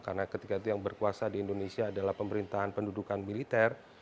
karena ketika itu yang berkuasa di indonesia adalah pemerintahan pendudukan militer